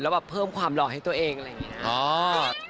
แล้วแบบเพิ่มความรอให้ตัวเองอะไรอย่างนี้นะ